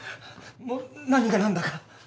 もう何が何だか。